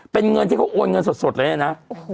เป็นเงินที่เขาโอนเงินสดเลยนะ